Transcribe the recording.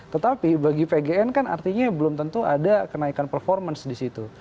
tetapi bagi vgn kan artinya belum tentu ada kenaikan performance di situ